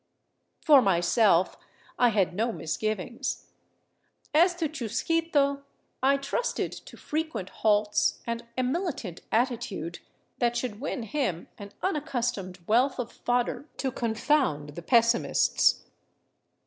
For myself I had no misgiv ings; as to Chusquito, I trusted to frequent halts and a militant attitude that should win him an unaccustomed wealth of fodder to confound the pessimists.